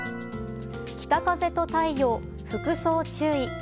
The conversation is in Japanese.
北風と太陽、服装注意！